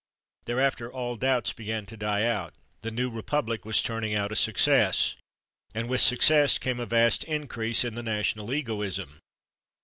Thereafter all doubts began to die out; the new republic was turning out a success. And with success came a vast increase in the national egoism.